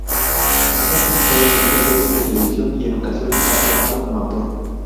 Ha participado en muchas series de televisión y en ocasiones ha trabajado como actor.